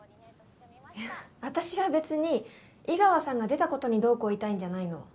いや私は別に井川さんが出たことにどうこう言いたいんじゃないの。